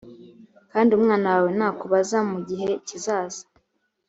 kandi umwana wawe nakubaza mu gihe kizaza